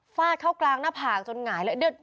เข้ากลางหน้าผากจนหงายเลย